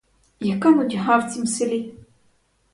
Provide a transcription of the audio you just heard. Яка нудьга в цім селі!